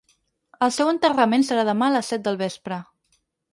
El seu enterrament serà demà a les set del vespre.